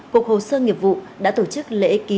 cục hồ sơ nghiệp vụ đã tổ chức lễ ký